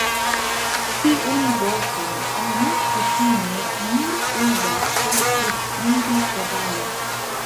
Tiun vorton oni kutime nur uzas por priskribi ĉevalon.